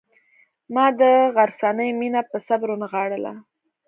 ما د غرڅنۍ مینه په صبر ونغاړله.